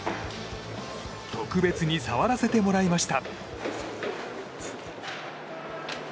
特別に触らせてもらいました。